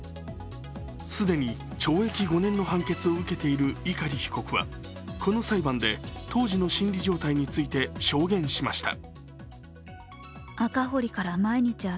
既に懲役５年の判決を受けている碇被告はこの裁判で当時の心理状態について証言しました。